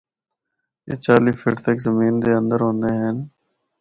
اے چالی فٹ تک زمین دے اند ہوندے ہن۔